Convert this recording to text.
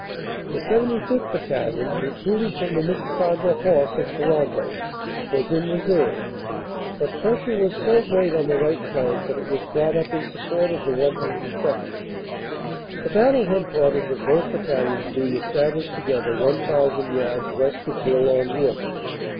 The 75th. Battalion, recruited from the Missisauga Horse, of Toronto, was in reserve, but pressure was so great on the right flank that it was brought up in support of the 102nd., the battle headquarters of both battalions being established together 1,000 yards west of Bourlon Wood.